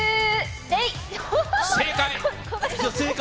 正解。